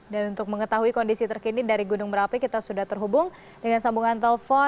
dan untuk mengetahui kondisi terkini dari gunung merapi kita sudah terhubung dengan sambungan telpon